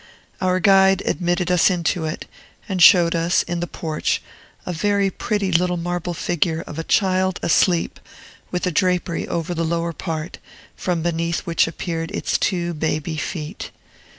Our guide admitted us into it, and showed us, in the porch, a very pretty little marble figure of a child asleep, with a drapery over the lower part, from beneath which appeared its two baby feet.